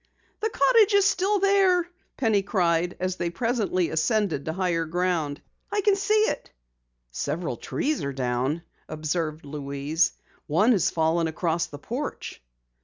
"The cottage is still there!" Penny cried as they presently ascended to higher ground. "I can see it." "Several trees are down," observed Louise. "One has fallen across the porch."